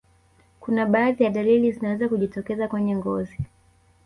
kuna baadhi ya dalili zinaweza kujitokeza kwenye ngozi